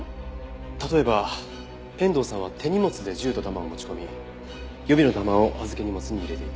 例えば遠藤さんは手荷物で銃と弾を持ち込み予備の弾を預け荷物に入れていた。